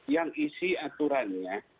yang isi aturannya